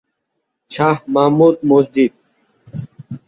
Shah Mahmud Masjid.